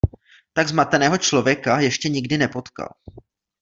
Tak zmateného člověka ještě nikdy nepotkal.